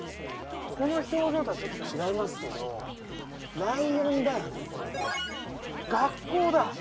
この表情とはちょっと違いますけどライオンだよねこれ学校だ！